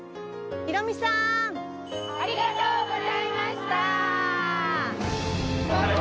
ヒロミさん、ありがとうございました！